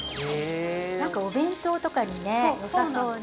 何かお弁当とかにねよさそうね。